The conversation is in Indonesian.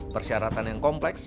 persyaratan yang kompleks